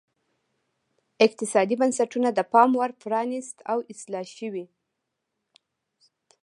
اقتصادي بنسټونه د پاموړ پرانیست او اصلاح شوي.